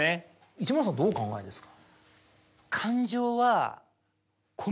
市村さんどうお考えですか？